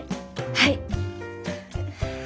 はい。